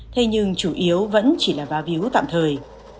thế nhưng chủ yếu vẫn chỉ là vá víu tạm thời